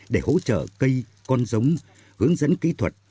để hỗ trợ cây con giống hướng dẫn kỹ thuật